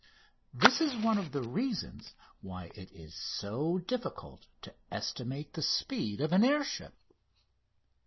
This is one of the reasons why it is so difficult to estimate the speed of an air ship.